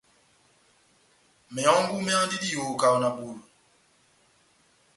Mehɔngu méhandini diyoho kahá na bulu.